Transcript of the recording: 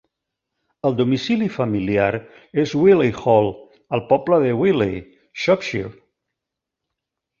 El domicili familiar és Willey Hall, al poble de Willey, Shropshire.